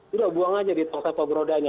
sudah buang aja di tok sampah berodanya